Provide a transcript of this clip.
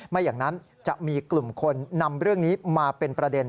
ไม่อย่างนั้นจะมีกลุ่มคนนำเรื่องนี้มาเป็นประเด็น